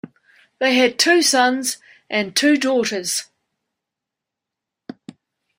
They had two sons and two daughters.